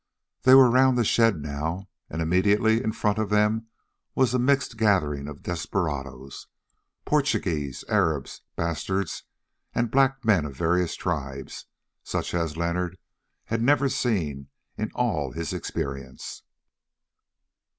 They were round the shed now, and immediately in front of them was a mixed gathering of desperadoes—Portuguese, Arabs, Bastards, and black men of various tribes—such as Leonard had never seen in all his experience.